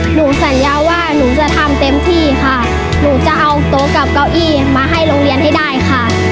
หนูสัญญาว่าหนูจะทำเต็มที่ค่ะหนูจะเอาโต๊ะกับเก้าอี้มาให้โรงเรียนให้ได้ค่ะ